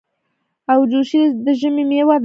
اوجوشي د ژمي مېوه ده.